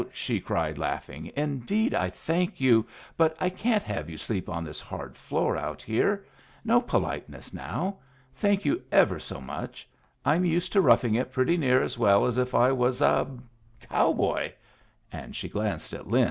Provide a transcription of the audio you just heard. she cried, laughing. "Indeed, I thank you. But I can't have you sleep on this hard floor out here. No politeness, now! Thank you ever so much. I'm used to roughing it pretty near as well as if I was a cowboy!" And she glanced at Lin.